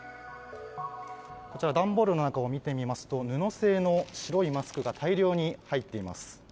段ボールの中を見てみますと布製の白いマスクが大量に入っています。